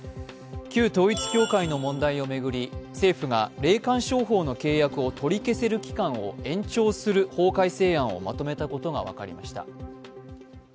旧統一教会の問題を巡り、政府が霊感商法の契約を取り消せる期間を延長する法改正案をまとめたことが分かりました。